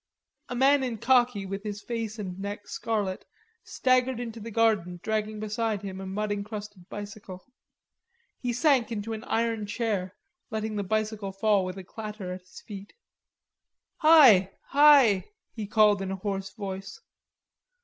A man in khaki, with his face and neck scarlet, staggered into the garden dragging beside him a mud encrusted bicycle. He sank into an iron chair, letting the bicycle fall with a clatter at his feet. "Hi, hi," he called in a hoarse voice.